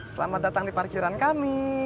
selamat datang di parkiran kami